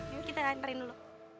yuk kita anterin dulu